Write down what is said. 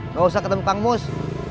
nggak usah ketemu kang mus